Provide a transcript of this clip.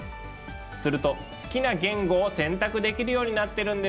すると好きな言語を選択できるようになってるんですよ。